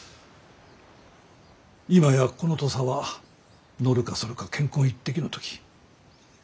今やこの土佐はのるかそるか乾坤一擲の時。